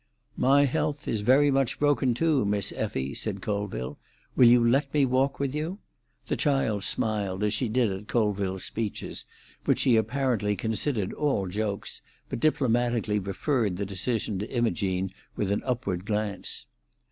"My health is very much broken too, Miss Effie," said Colville. "Will you let me walk with you?" The child smiled, as she did at Colville's speeches, which she apparently considered all jokes, but diplomatically referred the decision to Imogene with an upward glance.